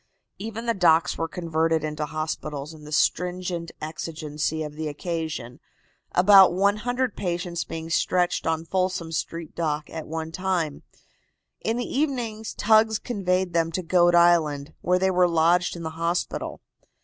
Even the docks were converted into hospitals in the stringent exigency of the occasion, about 100 patients being stretched on Folsom street dock at one time. In the evening tugs conveyed them to Goat Island, where they were lodged in the hospital.